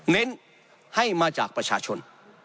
เน้นให้มาจากประชาชน